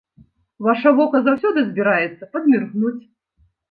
Ваша вока заўсёды збіраецца падміргнуць.